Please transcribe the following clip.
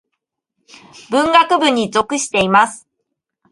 文学部に属しています。